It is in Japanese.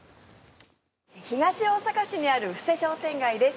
東大阪市にある布施商店街です。